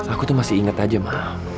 aku tuh masih inget aja mah